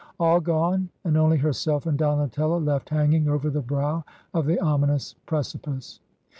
All gone; and only herself and DonateUo left hanging over the brow of the ominous precipice.